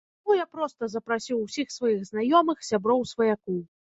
Таму я проста запрасіў усіх сваіх знаёмых, сяброў, сваякоў.